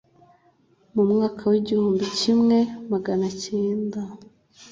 Mu mwaka w'igimbu kimwe maganakenda